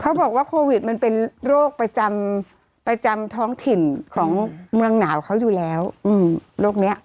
เขาบอกว่าโควิดมันเป็นโรคประจำประจำท้องถิ่นของเมืองหนาวเขาอยู่แล้วโรคนี้